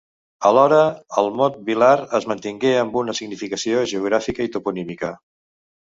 Alhora, el mot vilar es mantingué amb una significació geogràfica i toponímica.